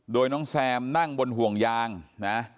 โดยน้องแซมนั่งบนห่วงยางนะ